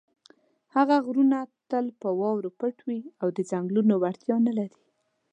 هغه غرونه تل په واورو پټ وي او د څنګلونو وړتیا نه لري.